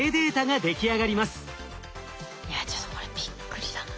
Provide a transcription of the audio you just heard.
いやちょっとこれびっくりだな。